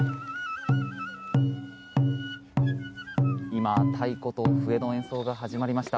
今、太鼓と笛の演奏が始まりました。